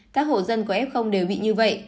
các hộ dân của f đều bị như vậy